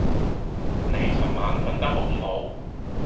你尋晚訓得好唔好？